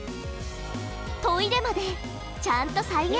トイレまでちゃんと再現。